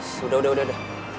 sudah sudah sudah